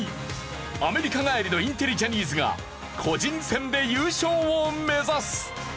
アメリカ帰りのインテリジャニーズが個人戦で優勝を目指す！